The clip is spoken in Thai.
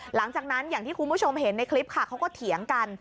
หลังจากนั้นอย่างที่คุณผู้ชมเห็นในคลิปค่ะเขาก็เถียงกัน